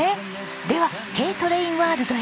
ではＫトレインワールドへどうぞ。